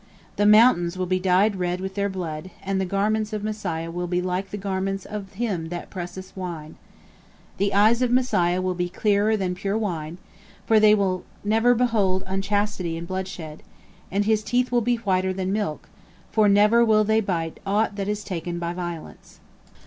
The mountains will be dyed red with their blood, and the garments of Messiah will be like the garments of him that presseth wine. The eyes of Messiah will be clearer than pure wine, for they will never behold unchastity and bloodshed; and his teeth will be whiter than milk, for never will they bite aught that is taken by violence."